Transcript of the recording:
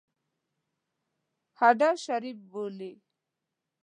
هډه شریف بولي.